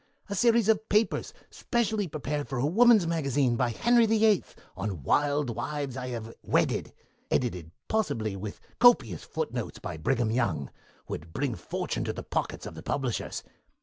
A series of papers specially prepared for a woman's magazine by Henry VIII. on 'Wild Wives I Have Wedded', edited, possibly, with copious footnotes by Brigham Young, would bring fortune to the pockets of the publishers.